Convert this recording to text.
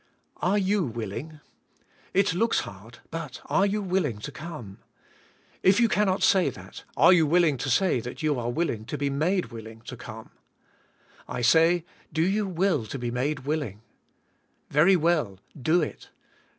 Are you willing ? It looks hard, but are you willing to come? If you cannot say that, are you willing to say that you are willing to be made willing to come ? I say. Do you will to be made willing? Very well, do it.